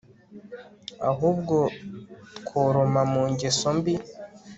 ahubwo tworama mu ngeso mbi